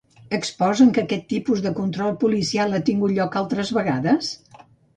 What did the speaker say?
Exposen que aquest tipus de control policial han tingut lloc altres vegades?